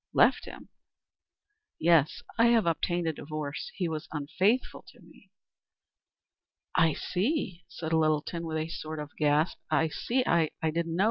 "Left him?" "Yes. I have obtained a divorce. He was unfaithful to me." "I see" said Littleton with a sort of gasp "I see. I did not know.